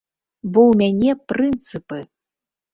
Бо ў мяне прынцыпы!